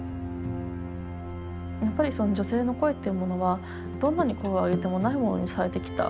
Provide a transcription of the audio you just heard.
やっぱり女性の声っていうものはどんなに声を上げてもないものにされてきた。